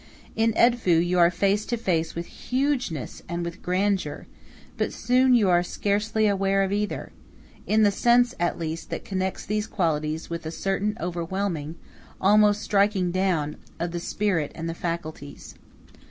In Edfu you are face to face with hugeness and with grandeur; but soon you are scarcely aware of either in the sense, at least, that connects these qualities with a certain overwhelming, almost striking down, of the spirit and the faculties.